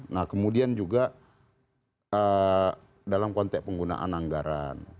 nah kemudian juga dalam konteks penggunaan anggaran